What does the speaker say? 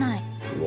うわ。